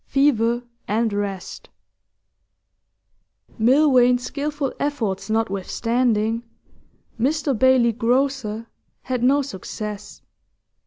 FEVER AND REST Milvain's skilful efforts notwithstanding, 'Mr Bailey, Grocer,' had no success.